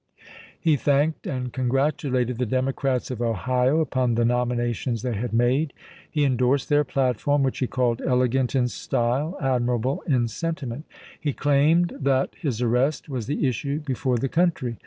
He thanked and congratulated the Democrats of Ohio upon the nominations they had made. He indorsed their platform, which he called " elegant in style, admirable in sentiment." He claimed that his arrest was the issue before the country.